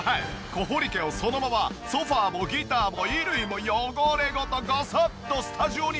小堀家をそのままソファもギターも衣類も汚れごとゴソッとスタジオに大移動！